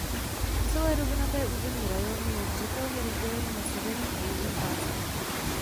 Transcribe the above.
Celé rovinaté území rajónu je zřetelně rozděleno na severní a jižní pásmo.